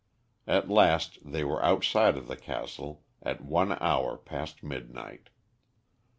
At last they were outside of the castle at one hour past midnight.